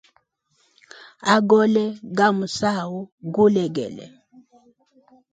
Agole nga musahu gulegele.